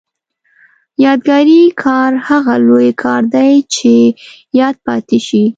یادګاري کار هغه لوی کار دی چې یاد پاتې شي.